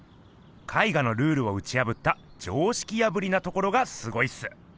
絵画のルールをうちやぶった「常識破り」なところがすごいっす。